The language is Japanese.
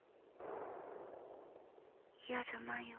嫌じゃないよ。